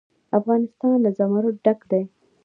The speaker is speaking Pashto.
افغانستان له زمرد ډک دی.